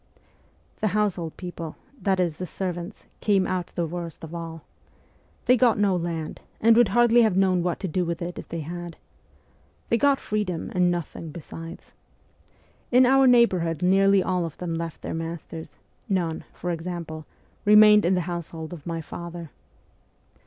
The ' household people ' that is, the servants came out the worst of all. They got no land, and would hardly have known what to do with it if they had. They got freedom, and nothing besides. In our neighbourhood nearly all of them left their masters ; none, for example, remained in the household of my father.